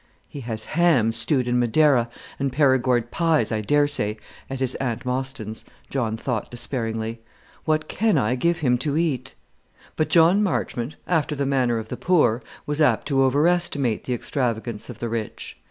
"He has hams stewed in Madeira, and Perigord pies, I dare say, at his Aunt Mostyn's," John thought, despairingly. "What can I give him to eat?" But John Marchmont, after the manner of the poor, was apt to over estimate the extravagance of the rich.